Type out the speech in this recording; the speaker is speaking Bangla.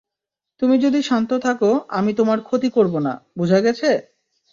তুমি যদি শান্ত থাকো আমি তোমার ক্ষতি করবো না, বুঝা গেছে?